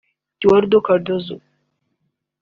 Eduardo Cardozo